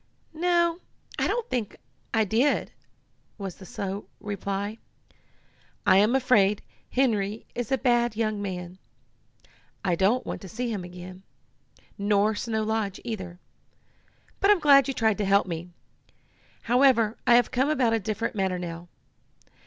"No, I don't think I did," was the slow reply. "I am afraid Henry is a bad young man. I don't want to see him again, nor Snow Lodge either. But I'm glad you tried to help me. However, I have come about a different matter now.